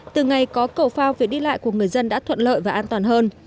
từ ngày có cầu phao việc đi lại của người dân đã thuận lợi và an toàn hơn